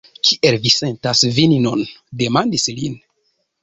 Kiel vi sentas vin nun? demandis li.